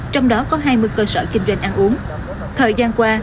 trong đó có hai mươi cơ sở kinh doanh ăn uống thời gian qua